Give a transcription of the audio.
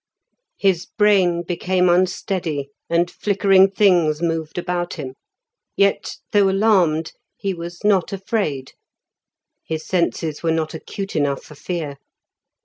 His brain became unsteady, and flickering things moved about him; yet, though alarmed, he was not afraid; his senses were not acute enough for fear.